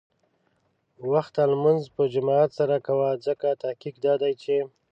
وخته لمونځ په جماعت سره کوه، ځکه تحقیق دا دی چې